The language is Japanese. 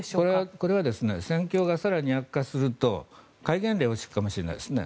これは戦況が更に悪化すると戒厳令を敷くかもしれないですね。